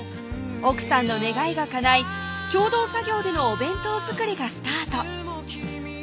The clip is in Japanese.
奥さんの願いがかない共同作業でのお弁当作りがスタート